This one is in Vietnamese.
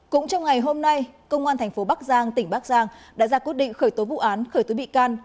cũng trong ngày hôm nay công an tp bắc giang tỉnh bắc giang đã ra quyết định khởi tối vụ án khởi tối bị can